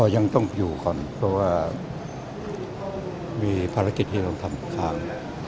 ยังต้องอยู่ก่อนเพราะว่ามีภารกิจที่ต้องทำข่าว